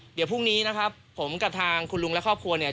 เดี๋ยวพรุ่งนี้นะครับผมกับทางคุณลุงและครอบครัวเนี่ย